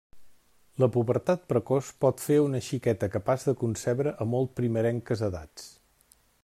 La pubertat precoç pot fer a una xiqueta capaç de concebre a molt primerenques edats.